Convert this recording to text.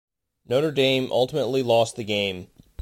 Notre Dame ultimately lost the game.